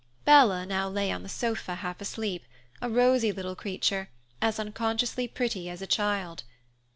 Bella now lay on the sofa, half asleep, a rosy little creature, as unconsciously pretty as a child.